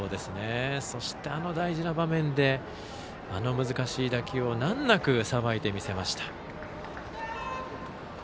そして、あの大事な場面であの難しい打球を難なくさばいてみせました。